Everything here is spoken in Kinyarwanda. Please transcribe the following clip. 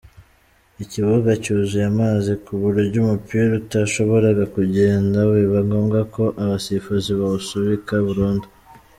ikibuga cyuzuye amazi ku buryo umupira utashoboraga kugenda biba ngombwa ko abasifuzi bawusubika burundu.